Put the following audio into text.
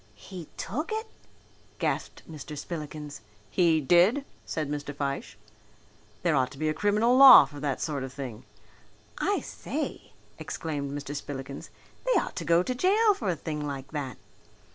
"He took it!" gasped Mr. Spillikins. "He did," said Mr. Fyshe. "There ought to be a criminal law for that sort of thing." "I say!" exclaimed Mr. Spillikins, "they ought to go to jail for a thing like that."